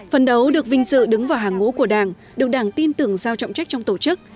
phần đấu được vinh dự đứng vào hàng ngũ của đảng được đảng tin tưởng giao trọng trách trong tổ chức